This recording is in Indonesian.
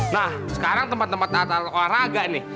nah sekarang tempat tempat olahraga nih